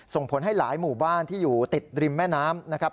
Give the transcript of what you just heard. ส่งผลให้หลายหมู่บ้านที่อยู่ติดริมแม่น้ำนะครับ